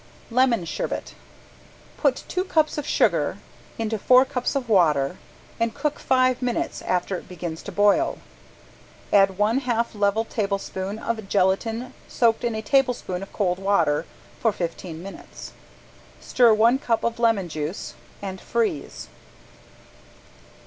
~LEMON SHERBET~ Put two cups of sugar into four cups of water and cook five minutes after it begins to boil. Add one half level tablespoon of gelatin soaked in a tablespoon of cold water for fifteen minutes. Stir one cup of lemon juice and freeze.